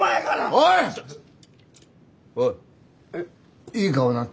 おいいい顔になったな。